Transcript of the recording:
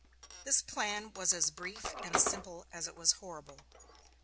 This plan was as brief and simple as it was horrible.